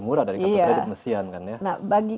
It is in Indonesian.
murah dari kartu kredit mesian kan ya nah bagi